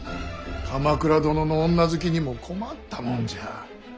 鎌倉殿の女好きにも困ったもんじゃ。